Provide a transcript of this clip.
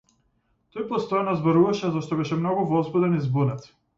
Тој постојано зборуваше зашто беше многу возбуден и збунет.